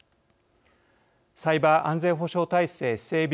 サイバー安全保障体制整備